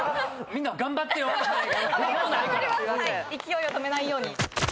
勢いを止めないように。